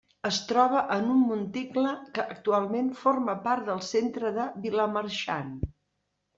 Es troba en un monticle que actualment forma part del centre de Vilamarxant.